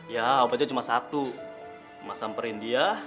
ya obatnya cuma satu masamperin dia